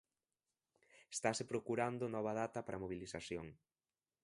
Estase procurando nova data para a mobilización.